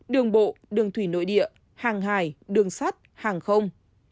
đường bộ đường thủy nội địa hàng hải đường sắt hàng không